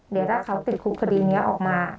เดี๋ยวถ้าเขาติดคุกคดีนี้ออกมา